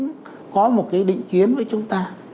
đặc biệt là họ cũng có một định kiến với chúng ta